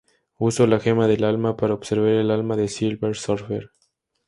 Usó la gema del alma para absorber el alma del Silver Surfer.